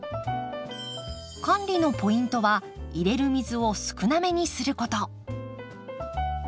管理のポイントは入れる水を少なめにすること。